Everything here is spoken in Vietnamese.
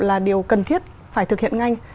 là điều cần thiết phải thực hiện nganh